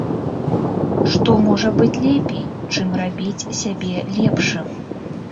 Што можа быць лепей, чым рабіць сябе лепшым?